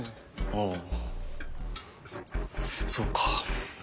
あぁそうか。